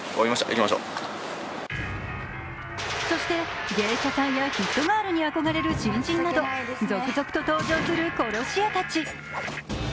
そして芸者さんやヒットガールに憧れる新人など続々と登場する殺し屋たち。